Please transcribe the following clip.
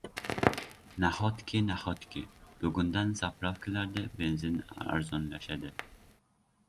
Nahotki, nahotki? Bugundan “zapravka”larda benzin arzonlashadi